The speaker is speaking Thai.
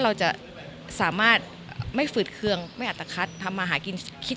เราจะสามารถไม่ฝืดเคืองไม่อัตภัททำมาหากินคิด